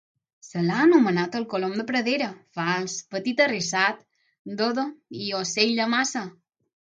Se l'ha anomenat el colom de pradera, fals, petit arrissat, dodo i ocell de massa.